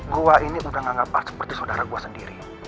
gue ini udah nganggap al seperti saudara gue sendiri